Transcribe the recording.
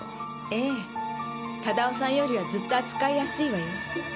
ええ忠雄さんよりはずっと扱いやすいわよ